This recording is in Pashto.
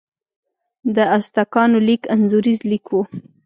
د ازتکانو لیک انځوریز لیک و.